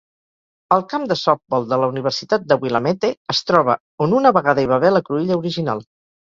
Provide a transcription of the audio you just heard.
El camp de softbol de la Universitat de Willamette es troba on una vegada hi va haver la cruïlla original.